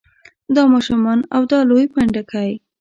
دا ماشومان او دا لوی پنډکی.